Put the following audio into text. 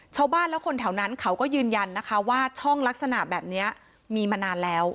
ชาวบ้านและคนแถวนั้นเขาก็ยืนยันนะคะว่าช่องลักษณะแบบนี้มีมานานแล้ว